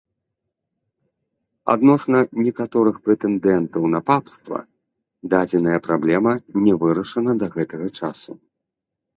Адносна некаторых прэтэндэнтаў на папства дадзеная праблема не вырашана да гэтага часу.